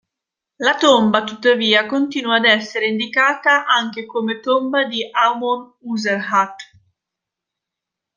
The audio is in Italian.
La tomba, tuttavia, continua ad essere indicata anche come come tomba di Amon-Userhat.